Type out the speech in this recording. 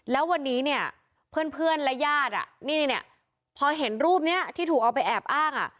แล้ววันนี้เนี่ยเพื่อนและญาตินี่พอเห็นรูปนี้ที่ถูกเอาไปแอบอ้างอ่ะ